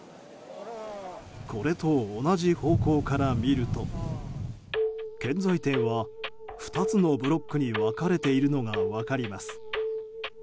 これと同じ方向から見ると建材店は２つのブロックに分かれているのが分かります。